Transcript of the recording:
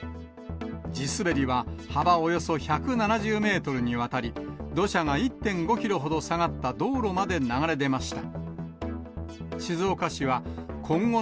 地滑りは幅およそ１７０メートルにわたり、土砂が１．５キロほど下がった道路まで流れ出ました。